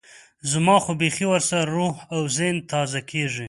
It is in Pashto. زما خو بيخي ورسره روح او ذهن تازه کېږي.